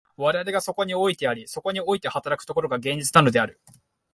我々がそこにおいてあり、そこにおいて働く所が、現実なのである。